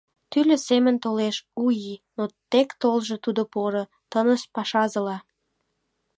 Тӱрлӧ семын толеш У ий, Но тек толжо тудо поро, тыныс пашазыла.